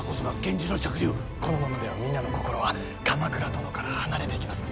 このままでは皆の心は鎌倉殿から離れていきます。